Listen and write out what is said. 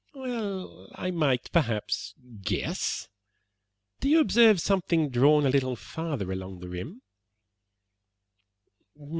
"Well, I might, perhaps, guess. Do you observe something drawn a little farther along the rim?"